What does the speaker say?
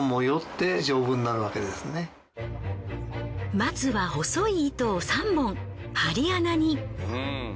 まずは細い糸を３本針穴に。